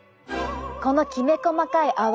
このきめ細かい泡。